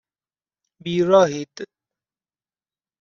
بیراهید